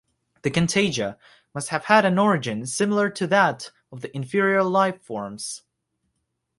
The contagia must have had an origin similar to that of the inferior lifeforms.